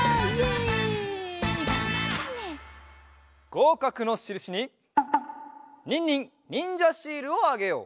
ごうかくのしるしにニンニンにんじゃシールをあげよう！